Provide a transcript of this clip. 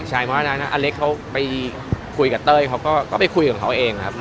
ใช่เพราะว่าอเล็กเขาไปคุยกับเต้ยเขาก็ไปคุยกับเขาเองครับ